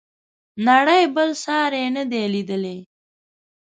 نړۍ بل ساری نه دی لیدلی.